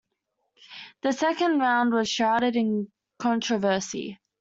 The second round was shrouded in controversy.